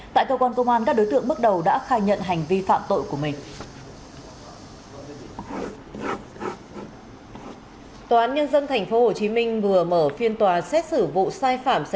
tại cơ quan công an các đối tượng bước đầu đã khai nhận hành vi phạm tội của mình